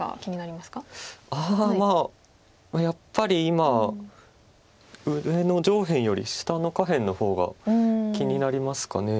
まあやっぱり今上の上辺より下の下辺の方が気になりますかね。